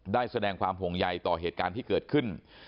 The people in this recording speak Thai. แสดงความห่วงใยต่อเหตุการณ์ที่เกิดขึ้น